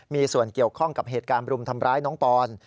มีส่วนเกี่ยวข้องกับเหตุการณ์รุมทำร้ายน้องปอน